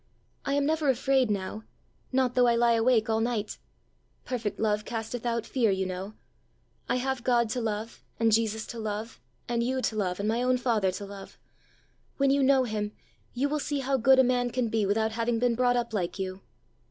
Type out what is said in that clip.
I am never afraid now not though I lie awake all night: 'perfect love casteth out fear,' you know. I have God to love, and Jesus to love, and you to love, and my own father to love! When you know him, you will see how good a man can be without having been brought up like you!